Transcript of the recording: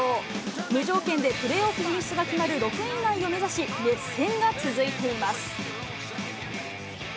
無条件でプレーオフ進出が決まる６位以内を目指し、熱戦が続いています。